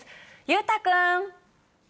裕太君。